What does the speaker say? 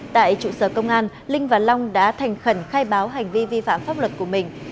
tại trụ sở công an linh và long đã thành khẩn khai báo hành vi vi phạm pháp luật của mình